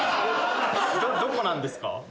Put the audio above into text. どこなんですか？